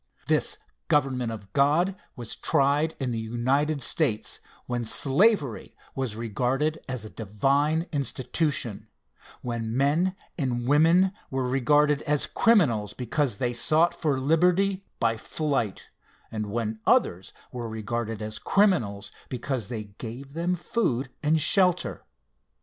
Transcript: This government of God was tried in the United States when slavery was regarded as a divine institution, when men and women were regarded as criminals because they sought for liberty by flight, and when others were regarded as criminals because they gave them food and shelter.